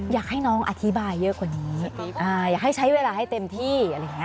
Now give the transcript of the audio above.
อยากให้น้องอธิบายเยอะกว่านี้อยากให้ใช้เวลาให้เต็มที่